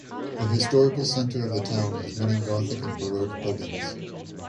The historical centre of the town has many gothic and baroque buildings.